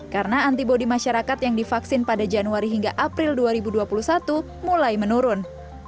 karena antibody masyarakat yang divaksin pada januari hingga april dua ribu dua puluh satu mulai menurun